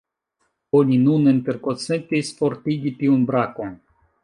Oni nun interkonsentis fortigi tiun brakon.